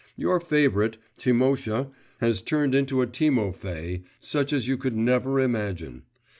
Your favourite, Timosha, has turned into a Timofay, such as you could never imagine.